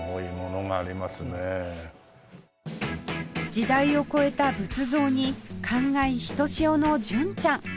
時代を超えた仏像に感慨ひとしおの純ちゃん